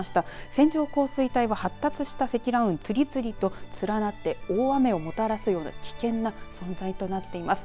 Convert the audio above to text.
線状降水帯は発達した積乱雲、次々と連なって大雨をもたらすような危険な存在となっています。